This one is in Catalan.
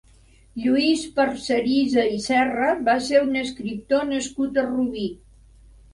Lluís Parcerisa i Serra va ser un escriptor nascut a Rubí.